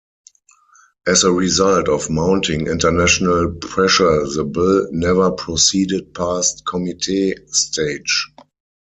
As a result of mounting international pressure the bill never proceeded past committee stage.